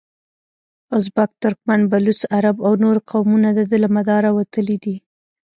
ازبک، ترکمن، بلوڅ، عرب او نور قومونه دده له مداره وتلي دي.